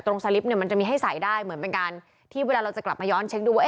สลิปเนี่ยมันจะมีให้ใส่ได้เหมือนเป็นการที่เวลาเราจะกลับมาย้อนเช็คดูว่า